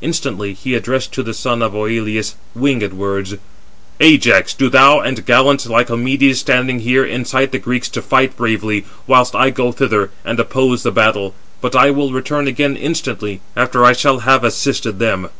Instantly he addressed to the son of Oïleus winged words: "Ajax, do thou and gallant Lycomedes, standing here, incite the Greeks to fight bravely, whilst I go thither and oppose the battle; but I will return again instantly, after I shall have assisted them."